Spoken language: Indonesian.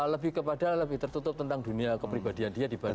lebih kepada lebih tertutup tentang dunia kepribadian dia dibandingkan